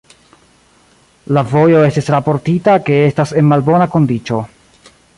La vojo estis raportita ke estas en malbona kondiĉo.